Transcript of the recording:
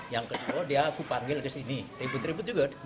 yang kedua dia aku panggil di sini ribut ribut juga